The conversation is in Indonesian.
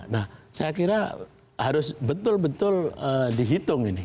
nah saya kira harus betul betul dihitung ini